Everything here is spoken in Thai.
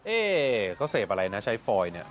เอ๊ะก็เสพอะไรนะใช้ฟรอยด์เนี่ย